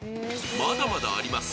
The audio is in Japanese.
まだまだあります。